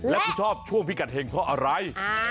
แล้วคุณชอบช่วงพิกัดเห็งเพราะอะไร